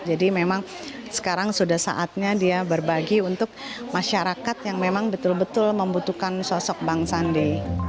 jadi memang sekarang sudah saatnya dia berbagi untuk masyarakat yang memang betul betul membutuhkan sosok bang sandi